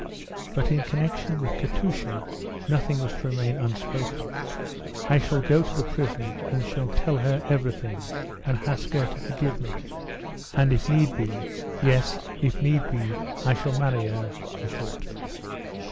But in connection with Katusha, nothing was to remain unspoken. "I shall go to the prison and shall tell her every thing, and ask her to forgive me. And if need be yes, if need be, I shall marry her," he thought.